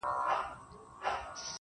پرېميږده ، پرېميږده سزا ده د خداى~